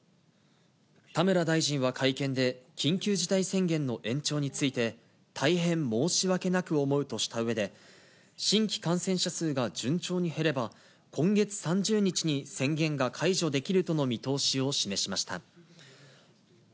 田村大臣は会見で、緊急事態宣言の延長について、大変申し訳なく思うとしたうえで、新規感染者数が順調に減れば、今月３０日に宣言が解除できるとの見通しを示しました。